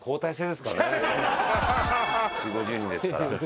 ４０５０人ですから。